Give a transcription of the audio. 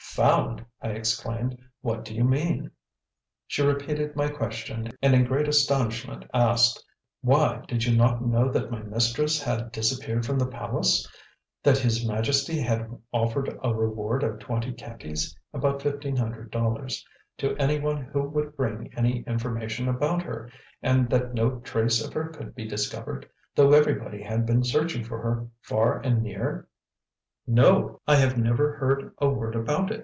"Found!" I exclaimed; "what do you mean?" She repeated my question, and in great astonishment asked: "Why! did you not know that my mistress had disappeared from the palace; that his Majesty had offered a reward of twenty caties (about fifteen hundred dollars) to any one who would bring any information about her; and that no trace of her could be discovered, though everybody had been searching for her far and near?" "No, I have never heard a word about it.